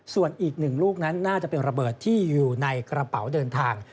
ส่วนอีก๑ลูกนั้นน่าจะเป็นระเบิดที่อยู่ในกระเป๋าเดินทาง